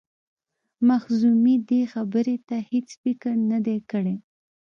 مخزومي دې خبرې ته هیڅ فکر نه دی کړی.